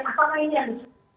apa ini yang disukai